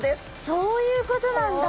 そういうことなんだ！